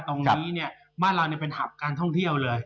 ตรงนี้เนี่ยบ้านเราเป็นหับการท่องเที่ยวเลย